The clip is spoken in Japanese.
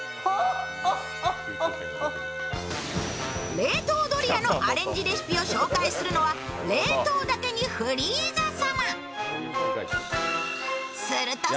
冷凍ドリアのアレンジレシピを紹介するのは冷凍だけにフリーザ様。